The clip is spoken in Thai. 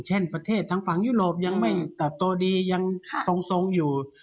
เช่นประเทศทางฝั่งยุโรปยังไม่เติบโตดียังทรงอยู่